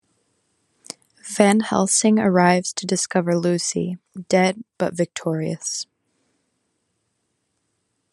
Van Helsing arrives to discover Lucy, dead but victorious.